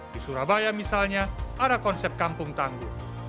di surabaya misalnya ada konsep kampung tangguh